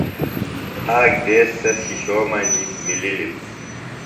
آک دیس سےۡ شِشو مجیۡ مِلِلم۔